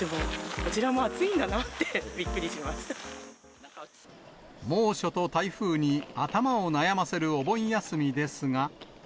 こちらも暑いんだなってびっ猛暑と台風に頭を悩ませるお盆休みですが。